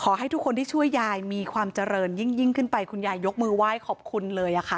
ขอให้ทุกคนที่ช่วยยายมีความเจริญยิ่งขึ้นไปคุณยายยกมือไหว้ขอบคุณเลยค่ะ